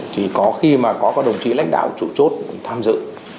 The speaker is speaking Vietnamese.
chỉ có khi mà có đồng chí lãnh đạo trụ chốt tham dự